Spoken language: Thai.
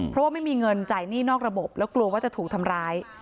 เพราะว่าไม่มีเงินจ่ายหนี้นอกระบบแล้วกลัวว่าจะถูกทำร้าย